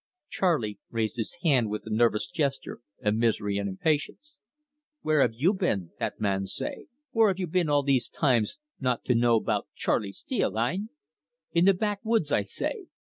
'" Charley raised his hand with a nervous gesture of misery and impatience. "'Where have you been,' that man say 'where have you been all these times not to know 'bout Charley Steele, hein?' 'In the backwoods,' I say.